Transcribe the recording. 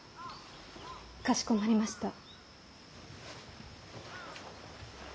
かしこまりました。